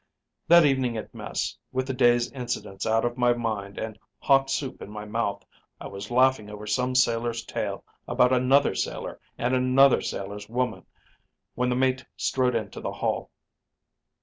"That evening at mess, with the day's incidents out of my mind and hot soup in my mouth, I was laughing over some sailor's tale about another sailor and another sailor's woman, when the mate strode into the hall.